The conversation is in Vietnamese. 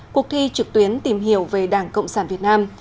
cuộc thi trực tuyến tìm hiểu về đảng cộng sản việt nam